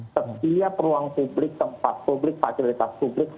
setiap ruang publik tempat publik fasilitas publik